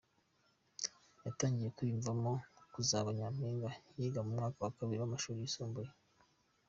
Yatangiye kwiyumvamo kuzaba Nyampinga yiga mu mwaka wa kabiri w’amashuri yisumbuye.